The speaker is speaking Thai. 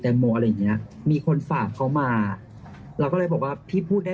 แตงโมอะไรเงี้ยมีคนฝากเขามาแล้วก็เลยบอกว่าพี่พูดได้